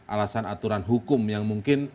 alasan aturan hukum yang mungkin